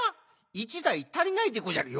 １だいたりないでごじゃるよ。